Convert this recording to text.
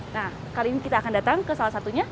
nah kali ini kita akan datang ke salah satunya